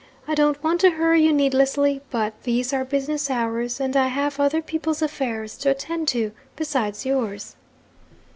I don't want to hurry you needlessly; but these are business hours, and I have other people's affairs to attend to besides yours.'